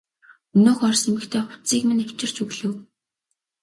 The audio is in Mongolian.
Өнөөх орос эмэгтэй хувцсыг минь авчирч өглөө.